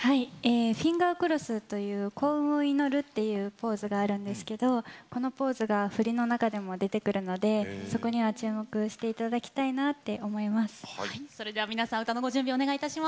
フィンガークロスという幸運を祈るというポーズがあるんですけれども振りの中でも出てくるのでそこに注目していただきたいなと思います。